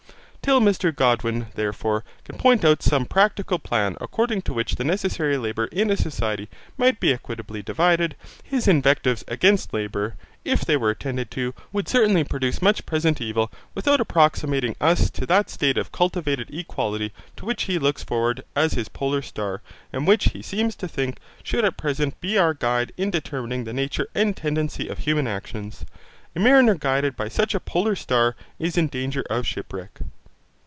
Till Mr Godwin, therefore, can point out some practical plan according to which the necessary labour in a society might be equitably divided, his invectives against labour, if they were attended to, would certainly produce much present evil without approximating us to that state of cultivated equality to which he looks forward as his polar star, and which, he seems to think, should at present be our guide in determining the nature and tendency of human actions. A mariner guided by such a polar star is in danger of shipwreck.